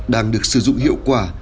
đang được sử dụng hiệu quả